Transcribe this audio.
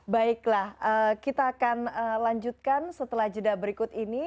baiklah kita akan lanjutkan setelah jeda berikut ini